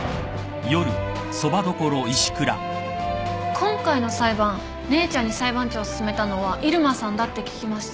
今回の裁判姉ちゃんに裁判長すすめたのは入間さんだって聞きました。